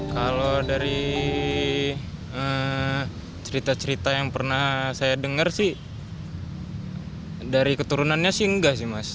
kalau dari cerita cerita yang pernah saya dengar sih dari keturunannya sih enggak sih mas